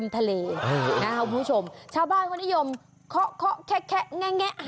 เป็นช่วงที่น้ำลง